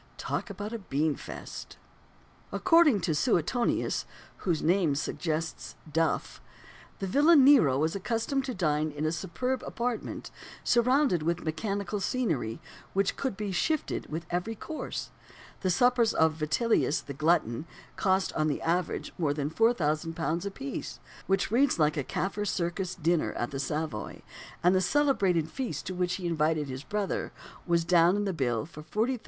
Talk about a bean feast! According to Suetonius (whose name suggests "duff") the villain Nero was accustomed to dine in a superb apartment, surrounded with mechanical scenery, which could be "shifted" with every course. The suppers of "Vitellius the Glutton" cost, on the average, more than £4000 a piece which reads like a "Kaffir Circus" dinner at the Savoy and the celebrated feast to which he invited his brother was down in the bill for £40,350.